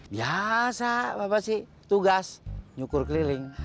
biasa apa sih tugas nyukur keliling